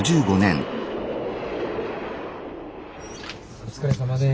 お疲れさまです。